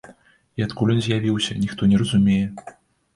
І адкуль ён з'явіўся, ніхто не разумее.